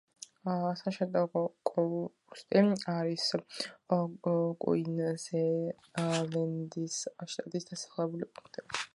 სანშაინ-კოუსტი არის კუინზლენდის შტატის დასახლებული პუნქტი.